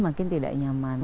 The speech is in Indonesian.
makin tidak nyaman